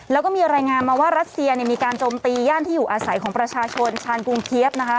แล้วก็มีรายงานมาว่ารัสเซียมีการจมตีย่านที่อยู่อาศัยของประชาชนชาญกรุงเทียบนะคะ